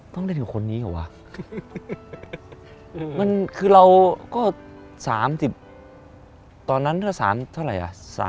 ต้องได้ถึงคนนี้เหรอวะมันคือเราก็๓๐ตอนนั้นถ้า๓เท่าไหร่